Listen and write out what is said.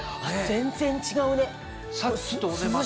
全然違うね。